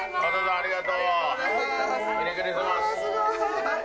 ありがとうございます。